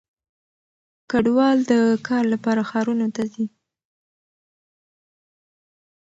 کډوال د کار لپاره ښارونو ته ځي.